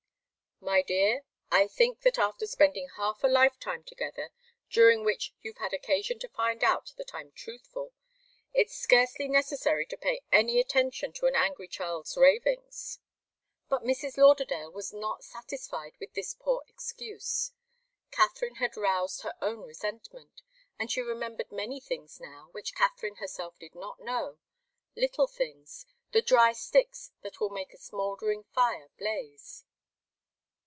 "My dear, I think that after spending half a lifetime together, during which you've had occasion to find out that I'm truthful, it's scarcely necessary to pay any attention to an angry child's ravings." But Mrs. Lauderdale was not satisfied with this poor excuse. Katharine had roused her own resentment, and she remembered many things now, which Katharine herself did not know little things the dry sticks that will make a smouldering fire blaze.